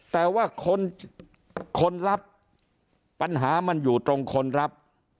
แต่ว่าคนคนรับปัญหามันอยู่ตรงคนรับ